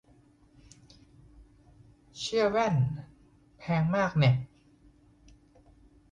เชี่ย แว่น แพงมาก แน่ะ